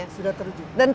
iya sudah teruji